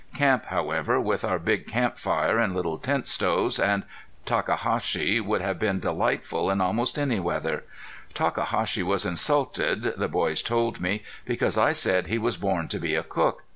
Camp, however, with our big camp fire, and little tent stoves, and Takahashi, would have been delightful in almost any weather. Takahashi was insulted, the boys told me, because I said he was born to be a cook.